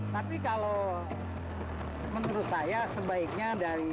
tapi kalau menurut saya sebaiknya dari